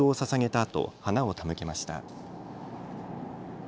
あと花を手向けました。